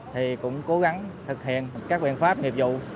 thì cũng cố gắng thực hiện các biện pháp nghiệp vụ